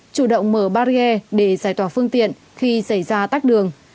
chủ động mở barrier để giải tỏa phương tiện khi xảy ra tắc đường